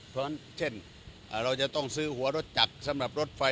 เพราะฉะนั้นเช่นเราจะต้องซื้อหัวรถจักรสำหรับรถไฟ